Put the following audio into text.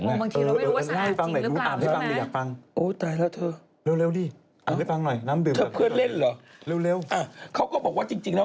ข้าอาจไม่ได้ฟังเถอะ